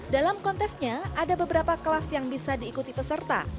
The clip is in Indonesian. dalam kontesnya ada beberapa kelas yang bisa diikuti peserta